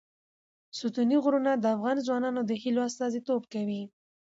ستوني غرونه د افغان ځوانانو د هیلو استازیتوب کوي.